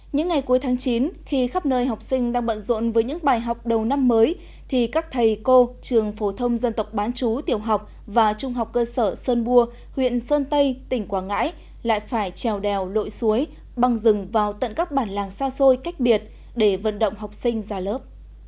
những ngày cuối tháng chín khi khắp nơi học sinh đang bận rộn với những bài học đầu năm mới thì các thầy cô trường phổ thông dân tộc bán chú tiểu học và trung học cơ sở sơn bùa huyện sơn tây tỉnh quảng ngãi lại phải trèo đèo lội suối băng rừng vào tận các bản làng xa xôi cách biệt để vận động học sinh ra lớp